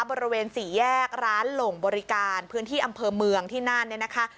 บริเวณสี่แยกร้านหลงบริการพื้นที่อำเภอเมืองที่น่านเนี่ยนะคะ